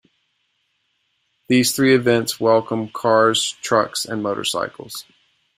These three events welcome cars, trucks, and motorcycles.